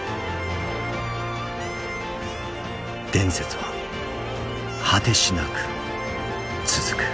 伝説は果てしなく続く。